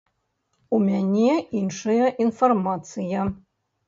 У мяне іншая інфармацыя.